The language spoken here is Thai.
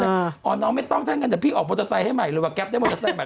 อ๋อน้องไม่ต้องถ้าอย่างนั้นจะพลิกออกมอเตอร์ไซส์ให้ใหม่เลยว่าแก๊ปได้มอเตอร์ไซส์ใหม่